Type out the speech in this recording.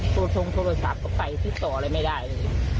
จนตรงโทรศัพท์ก็ไปหิดต่อเลยไม่ได้เลย